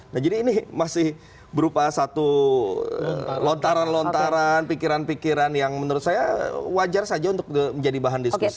nah jadi ini masih berupa satu lontaran lontaran pikiran pikiran yang menurut saya wajar saja untuk menjadi bahan diskusi